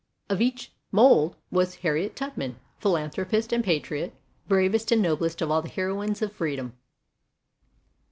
HARRIET TUBMAN 39 Of such mould was Harriet Tubman, philanthropist and patriot, bravest and no blest of all the heroines of freedom.